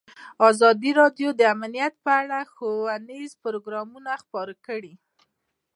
ازادي راډیو د امنیت په اړه ښوونیز پروګرامونه خپاره کړي.